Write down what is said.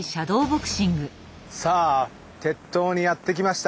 さあ鉄塔にやって来ました。